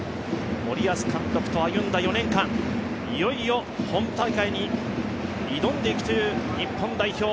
森保監督と歩んだ４年間、いよいよ、本大会に挑んでいくという日本代表。